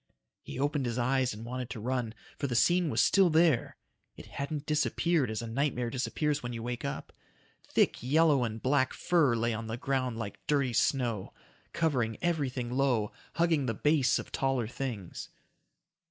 He opened his eyes and wanted to run, for the scene was still there. It hadn't disappeared as a nightmare disappears when you wake up. Thick yellow and black fur lay on the ground like dirty snow. Covering everything low, hugging the base of taller things.